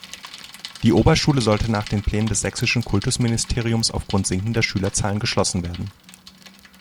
Die Oberschule sollte nach den Plänen des sächsischen Kultusministeriums aufgrund sinkender Schülerzahlen geschlossen werden.